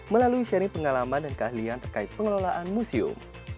melalui seri pengalaman dan keahlian terkait pengelolaan museum